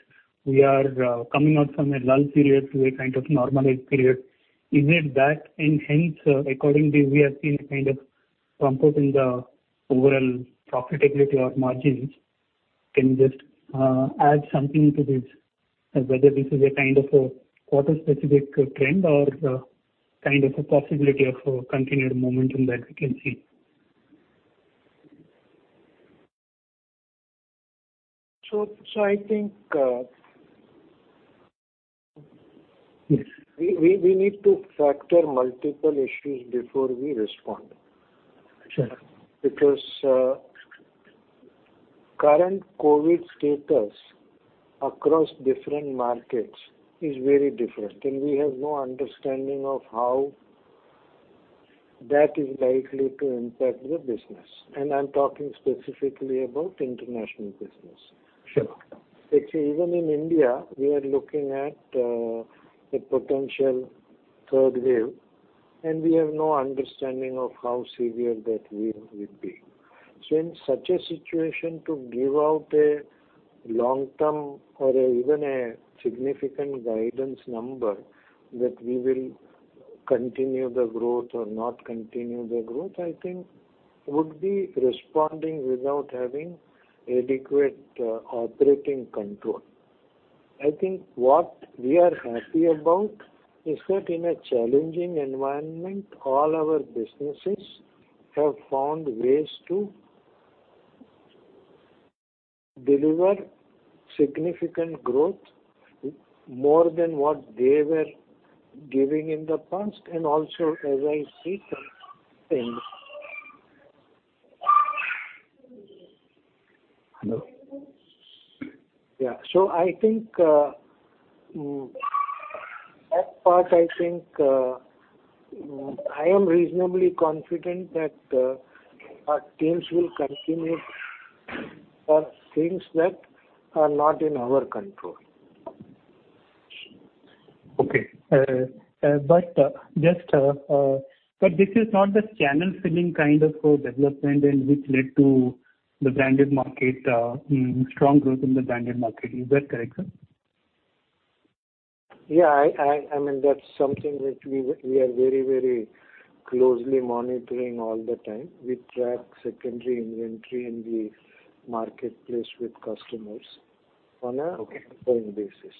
we are coming out of a lull period to a kind of normalized period? Is it that, and hence accordingly, we have seen a kind of comfort in the overall profitability or margins? Can you just add something to this, whether this is a kind of quarter-specific trend or kind of a possibility of a continued momentum that we can see? So I think- Yes? We need to factor multiple issues before we respond. Sure. Current COVID status across different markets is very different, and we have no understanding of how that is likely to impact the business. I'm talking specifically about international business. Sure. Actually, even in India, we are looking at a potential third wave, and we have no understanding of how severe that wave will be. In such a situation, to give out a long-term or even a significant guidance number, whether we will continue the growth or not continue the growth, I think would be responding without having adequate operating control. I think what we are happy about is that in a challenging environment, all our businesses have found ways to deliver significant growth, more than what they were giving in the past, and also, as I see some things. Yeah. I think that part, I think I am reasonably confident that our teams will continue on things that are not in our control. Okay. This is not the channel-filling kind of development that led to the branded market, strong growth in the branded market. Is that correct, sir? Yeah. That's something which we are very closely monitoring all the time. We track secondary inventory in the marketplace with customers on a- Okay. Ongoing basis.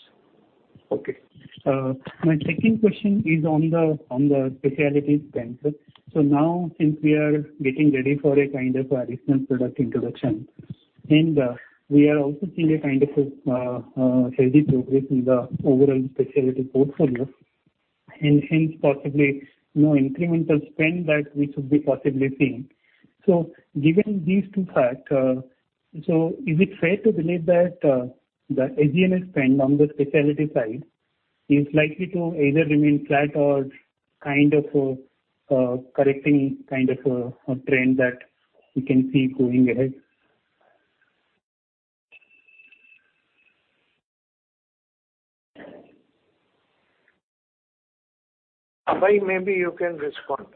My second question is on the specialty business, sir. Now, since we are getting ready for a kind of a recent product introduction, and we are also seeing a kind of a healthy progress in the overall specialty portfolio, and hence, possibly no incremental spend that we should be possibly seeing. Given these two facts, is it fair to believe that the SG&A spend on the specialty side is likely to either remain flat or kind of a correcting kind of a trend that we can see going ahead? Abhay, maybe you can respond.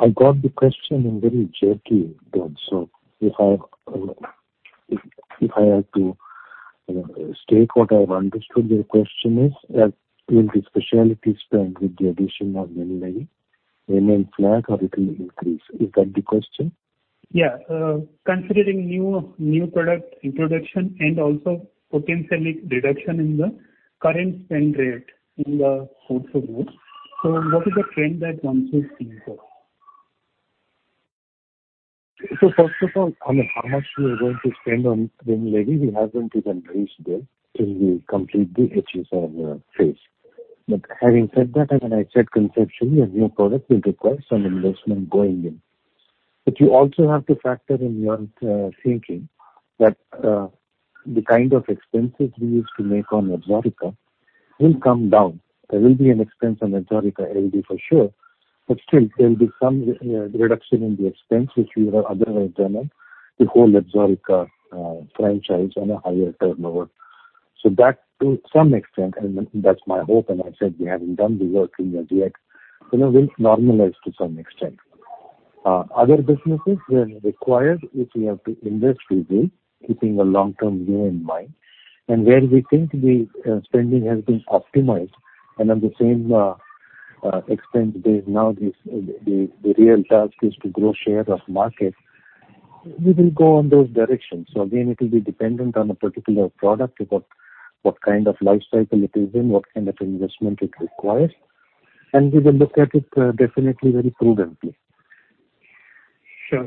I got the question in a very jerky tone. If I have to state what I've understood, your question is that will the specialty will spend with the addition of WINLEVI remain flat, or will it increase? Is that the question? Yeah. Considering new product introduction and also potentially a reduction in the current spend rate in the portfolio. What is the trend that one should see there? First of all, on how much we are going to spend on WINLEVI, we haven't even reached there till we complete the HSR phase. Having said that, as I said, conceptually, a new product will require some investment going in. You also have to factor in your thinking that the kind of expenses we used to make on ABSORICA will come down. There will be an expense on ABSORICA LD for sure, but still, there will be some reduction in the expense, which we would have otherwise done on the whole ABSORICA franchise on a higher turnover. That—to some extent, and that's my hope, and I said we haven't done the work as yet—will normalize to some extent. Other businesses where required, if we have to invest, we will, keeping a long-term view in mind. Where we think the spending has been optimized and on the same expense base, now the real task is to grow the share of the market, we will go in those directions. Again, it will be dependent on a particular product, what kind of life cycle it is in, and what kind of investment it requires. We will look at it definitely very prudently. Sure.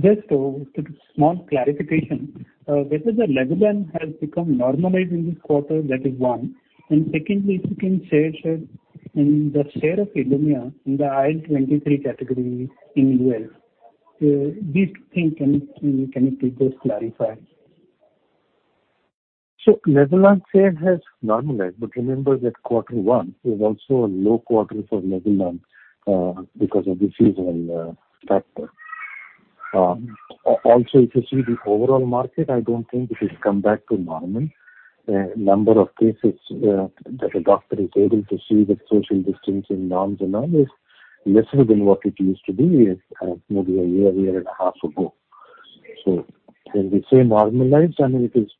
Just a small clarification. Whether the LEVULAN has become normalized in this quarter, that is one. Secondly, if you can share, sir, the share of ILUMYA in the IL-23 category in the U.S. These two things, can you please clarify? LEVULAN's share has normalized, but remember that Q1 is also a low quarter for LEVULAN because of the seasonal factor. If you see the overall market, I don't think it has come back to normal. Number of cases that a doctor is able to see with social distancing, norms, and all, is less than what it used to be, maybe a year and a half ago. When we say normalized, I mean it is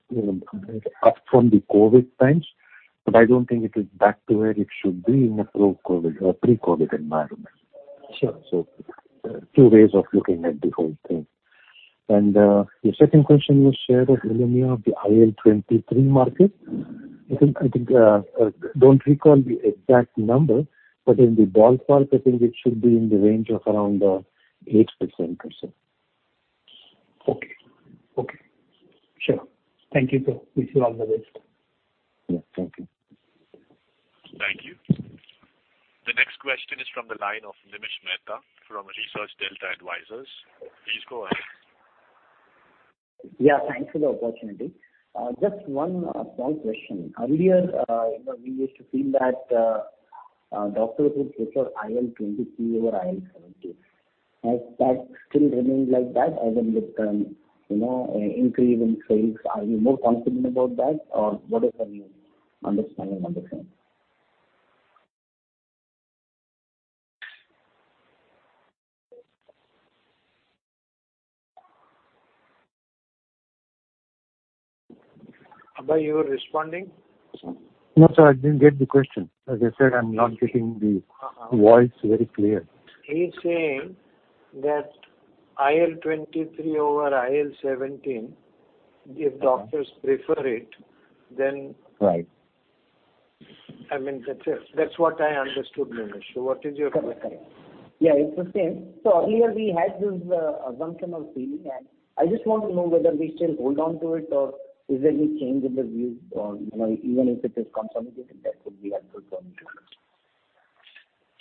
up from the COVID times, but I don't think it is back to where it should be in a pre-COVID environment. Sure. Two ways of looking at the whole thing. Your second question was the share of ILUMYA of the IL-23 market. I don't recall the exact number, but in the ballpark, I think it should be in the range of around 8% or so. Okay. Sure. Thank you, sir. Wish you all the best. Yeah, thank you. Thank you. The next question is from the line of Nimish Mehta from Research Delta Advisors. Please go ahead. Yeah, thanks for the opportunity. Just one small question. Earlier, we used to feel that doctors would prefer IL-23 over IL-17. Has that still remained like that, as in with the increase in sales? Are you more confident about that? What is your understanding of the same? Abhay, you were responding? No, sir, I didn't get the question. As I said, I'm not getting the voice very clear. He's saying that IL-23 over IL-17, if doctors prefer it, then? Right. I mean, that's what I understood, Nimish. What is your question? Correct. Yeah, it's the same. Earlier, we had this assumption or theory, and I just want to know whether we still hold on to it, or if there is any change in the view, or even if it is consolidated? That would be helpful for me to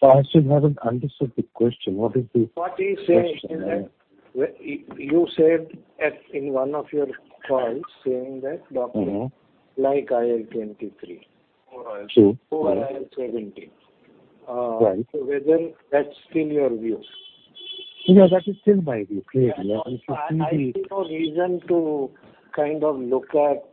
know. Sir, I still haven't understood the question. What is the question? What he is saying is that you said in one of your calls, saying that doctors like IL-23. True. Over IL-17. Right. Is that still your view? No, that is still my view. Clearly. I see no reason to look at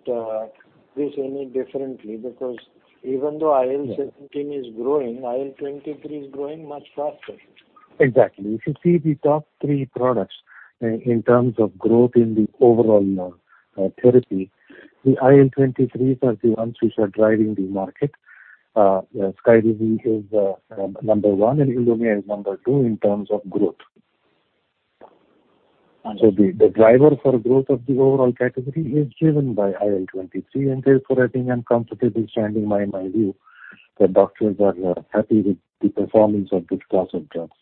this any differently, because even though IL-17 is growing, IL-23 is growing much faster. Exactly. If you see the top three products in terms of growth in the overall therapy, the IL-23s are the ones that are driving the market. SKYRIZI is number one, and ILUMYA is number two in terms of growth. Understood. The driver for growth of the overall category is driven by IL-23, and therefore, I think I'm comfortable standing by my view that doctors are happy with the performance of this class of drugs.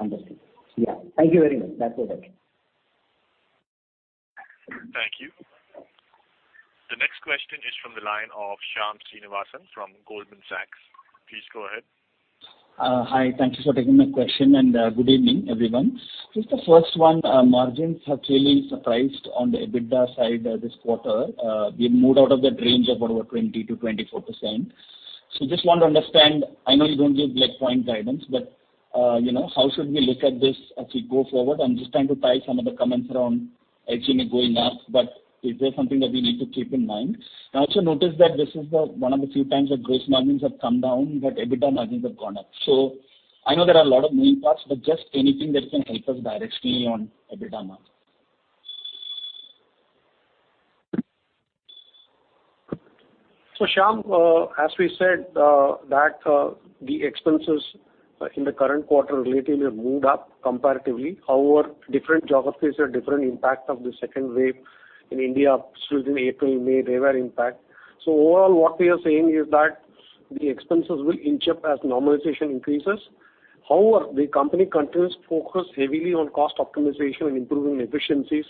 Understood. Yeah. Thank you very much. That's all. Thank you. The next question is from the line of Shyam Srinivasan from Goldman Sachs. Please go ahead. Hi. Thank you for taking my question, and good evening, everyone. Just the first one, margins have really surprised on the EBITDA side this quarter. We moved out of that range of about 20%-24%. Just want to understand, I know you don't give point guidance, but how should we look at this as we go forward? I'm just trying to tie some of the comments around SG&A going up, but is there something that we need to keep in mind? I also noticed that this is one of the few times that gross margins have come down, but EBITDA margins have gone up. I know there are a lot of moving parts, but just anything that can help us directly on EBITDA margin? Shyam, as we said, the expenses in the current quarter have relatively moved up, comparatively. Different geographies have a different impact of the second wave in India. Within April and May, they were impact. Overall, what we are saying is that the expenses will inch up as normalization increases. The company continues to focus heavily on cost optimization and improving efficiencies.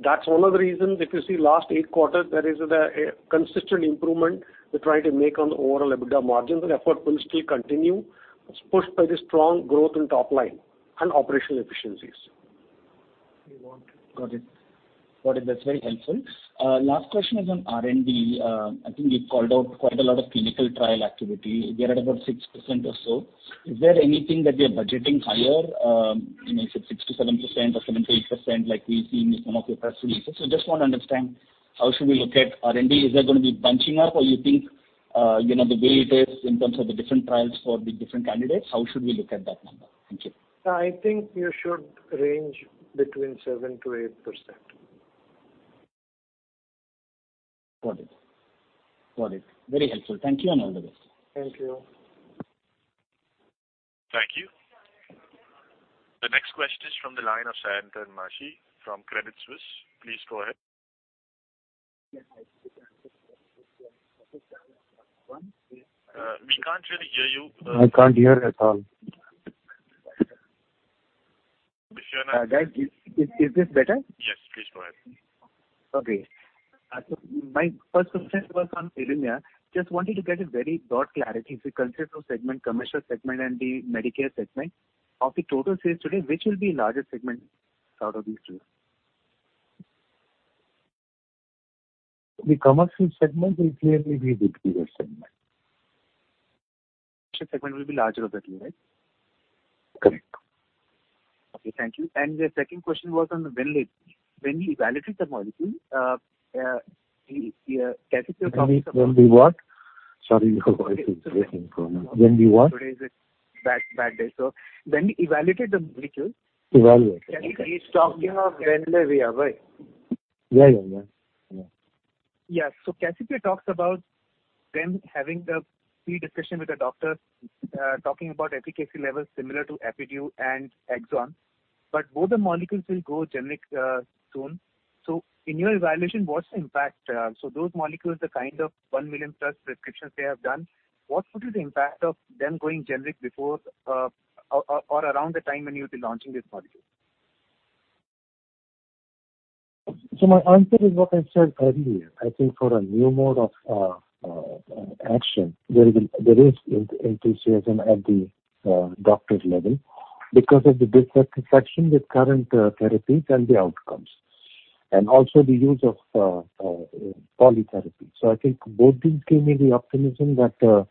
That's one of the reasons, if you see the last eight quarters, there is a consistent improvement we're trying to make on the overall EBITDA margins, and the effort will still continue. It's pushed by the strong growth in topline and operational efficiencies. Got it. That's very helpful. Last question is on R&D. I think you've called out quite a lot of clinical trial activity. You're at about 6% or so. Is there anything that you're budgeting higher, say, 6%-7% or 7%-8%, as we've seen in some of your press releases? Just want to understand how we should look at R&D. Is that going to be bunching up, or do you think the way it is in terms of the different trials for the different candidates, how should we look at that number? Thank you. I think you should range it between 7%-8%. Got it. Very helpful. Thank you, and all the best. Thank you. Thank you. The next question is from the line of Sayantan Maji from Credit Suisse. Please go ahead. We can't really hear you. I can't hear at all. Sayantan? Is this better? Yes. Please go ahead. Okay. My first question was on ILUMYA. Just wanted to get a very broad clarity. If we consider two segments, the commercial segment and the Medicare segment, of the total sales today, which will be the larger segment out of these two? The commercial segment will clearly be the bigger segment. The commercial segment will be larger, roughly, right? Correct. Okay. Thank you. The second question was on WINLEVI. When you evaluated the molecule- When we what? Sorry, your voice is breaking for me. When we what? <audio distortion> Evaluated? He's talking of WINLEVI, Abhay. Yeah, yeah. Yeah. Cassiopea talks about them having the pre-discussion with the doctor, talking about efficacy levels similar to EPIDUO and ACZONE, but both the molecules will go generic soon. In your evaluation, what's the impact? Those molecules are kind of 1 million+ prescriptions they have done. What would be the impact of them going generic before or around the time when you'll be launching this molecule? My answer is what I said earlier. I think for a new mode of action, there is enthusiasm at the doctor's level because of the dissatisfaction with current therapies and the outcomes, and also the use of polytherapy. I think both these give me the optimism that,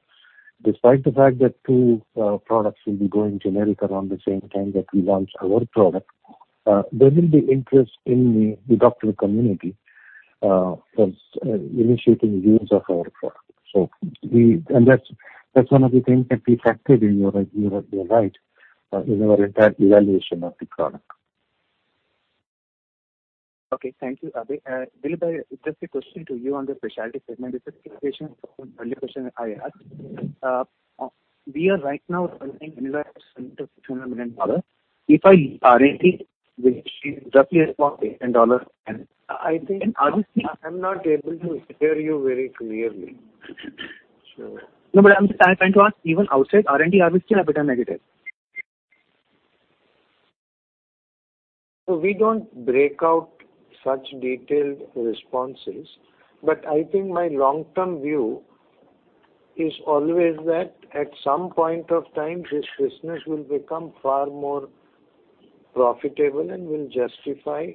despite the fact that two products will be going generic around the same time that we launch our product, there will be interest in the doctor community, because initiating use of our product. That's one of the things that we factored in, you're right, in our entire evaluation of the product. Okay. Thank you, Abhay. Dilip, just a question for you on the specialty segment. This is a continuation of the earlier question I asked. We are right now earning anywhere <audio distortion> I'm not able to hear you very clearly. I'm trying to ask even outside R&D, are we still EBITDA negative? We don't break out such detailed responses. I think my long-term view is always that at some point of time, this business will become far more profitable and will justify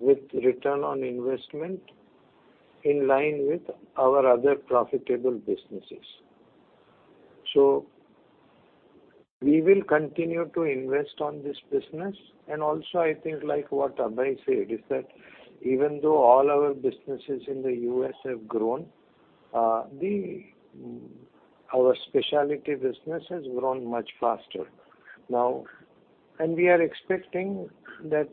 with return on investment in line with our other profitable businesses. We will continue to invest in this business. Also, I think like what Abhay said is that even though all our businesses in the U.S. have grown, our specialty business has grown much faster. We are expecting that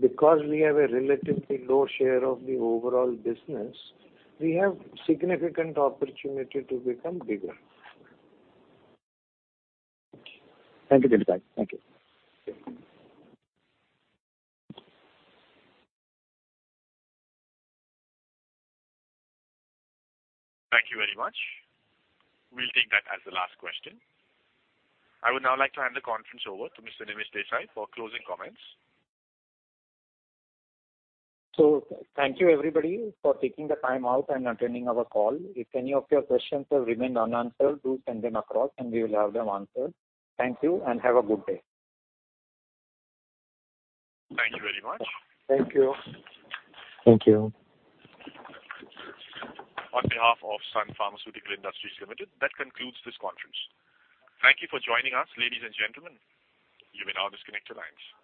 because we have a relatively low share of the overall business, we have a significant opportunity to become bigger. Thank you, Dilip bhai. Thank you. Okay. Thank you very much. We'll take that as the last question. I would now like to hand the conference over to Mr. Nimish Desai for closing comments. Thank you, everybody, for taking the time out and attending our call. If any of your questions have remained unanswered, do send them across, and we will have them answered. Thank you, and have a good day. Thank you very much. Thank you. Thank you. On behalf of Sun Pharmaceutical Industries Limited, that concludes this conference. Thank you for joining us, ladies and gentlemen. You may now disconnect your lines.